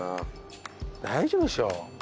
大丈夫でしょ。